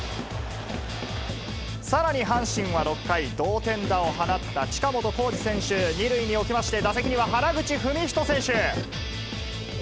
さらに阪神は６回、同点打を放った近本光司選手、２塁に置きまして、打席には原口文仁選手。